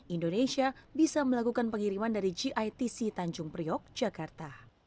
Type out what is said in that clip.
indonesia bisa melakukan pengiriman dari gitc tanjung priok jakarta